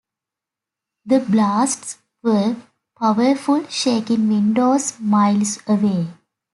The blasts were powerful, shaking windows miles away.